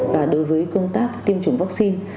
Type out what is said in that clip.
và đối với công tác tiêm chủng vaccine